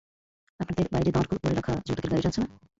আপনাদের বাইরে দাঁড় করে রাখা যৌতুকের গাড়িটা আছে না?